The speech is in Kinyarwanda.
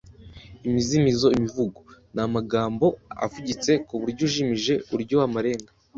Imizimizo/Imivugo ni amagamo avugitse ku buryo ujimije ku uryo w’amarenga